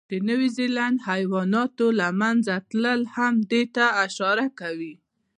د نیوزیلند حیواناتو له منځه تلل هم دې ته اشاره کوي.